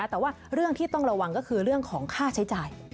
แต่ว่าเรื่องที่ต้องระวังก็คือเรื่องของค่าใช้จ่าย